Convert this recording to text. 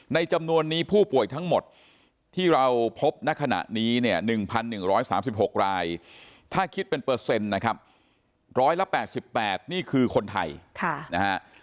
จำนวนนี้ผู้ป่วยทั้งหมดที่เราพบณขณะนี้เนี่ย๑๑๓๖รายถ้าคิดเป็นเปอร์เซ็นต์นะครับ๑๘๘นี่คือคนไทยนะฮะ